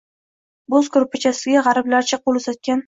Bo'z ko'rpachasiga g'ariblarcha qo'l uzatgan